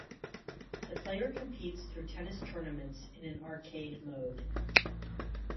The player competes through tennis tournaments in an arcade mode.